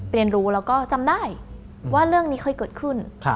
เรียนรู้แล้วก็จำได้ว่าเรื่องนี้เคยเกิดขึ้น